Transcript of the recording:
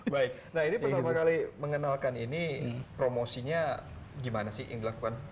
baik nah ini pertama kali mengenalkan ini promosinya gimana sih yang dilakukan